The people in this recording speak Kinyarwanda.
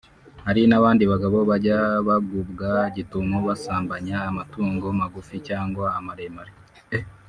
Hari n’abandi bagabo bajya bagubwa gitumo basambanya amatungo magufi cyangwa amaremare